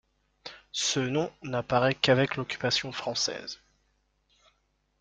Ce nom n'apparaît qu'avec l'occupation française.